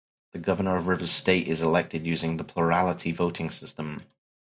The Governor of Rivers State is elected using the plurality voting system.